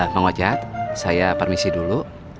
mang ocat saya permisi dulu